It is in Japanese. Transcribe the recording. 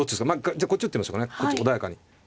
じゃあこっち打ってみましょうかね穏やかに。